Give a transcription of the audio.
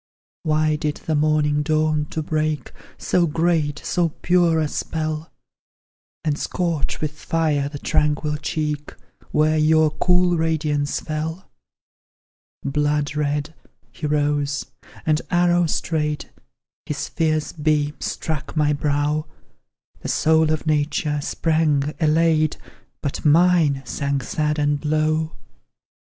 Why did the morning dawn to break So great, so pure, a spell; And scorch with fire the tranquil cheek, Where your cool radiance fell? Blood red, he rose, and, arrow straight, His fierce beams struck my brow; The soul of nature sprang, elate, But mine sank sad and low!